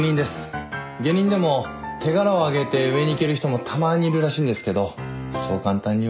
下忍でも手柄を挙げて上に行ける人もたまにいるらしいんですけどそう簡単には。